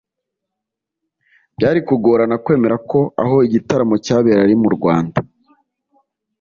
byari kugorana kwemera ko aho igitaramo cyabereye ari mu Rwanda